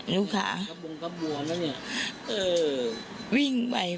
ลูกค้ากระบวนแล้วเนี่ยเอาวิ่งไป